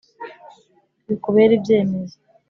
Bikubere ibyemezo